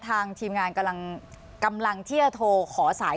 ถ้าเป็นผมก็ป้องกันเหมือนกันเลยครับ